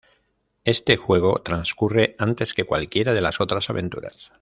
Este juego transcurre antes que cualquiera de las otras aventuras.